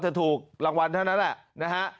เธอถูกรางวัลเท่านั้นแหละ